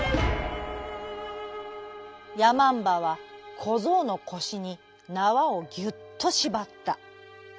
やまんばはこぞうのこしになわをぎゅっとしばった。